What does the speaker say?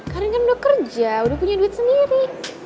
karena kan udah kerja udah punya duit sendiri